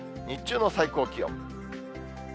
日中の最高気温。